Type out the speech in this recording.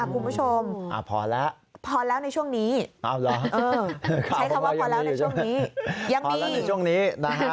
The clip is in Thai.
คุณผู้ชมพอแล้วในช่วงนี้ใช้คำว่าพอแล้วในช่วงนี้ยังมีพอแล้วในช่วงนี้